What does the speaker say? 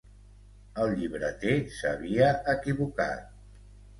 El llibreter s'havia equivocat.